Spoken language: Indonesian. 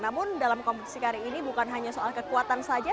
namun dalam kompetisi kali ini bukan hanya soal kekuatan saja